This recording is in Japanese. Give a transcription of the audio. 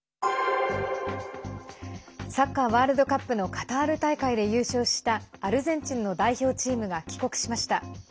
サッカーワールドカップのカタール大会で優勝したアルゼンチンの代表チームが帰国しました。